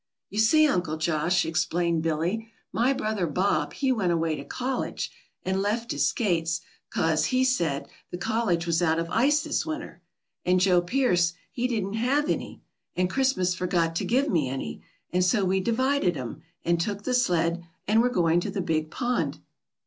"You see, Uncle Josh," explained Billy, "my brother Bob he went away to college, and left his skates, 'cause, he said, the college was out of ice this winter. And Joe Pearce he didn't have any. And Christmas forgot to give me any. And so we divided 'em, and took the sled, and we're going to the big pond."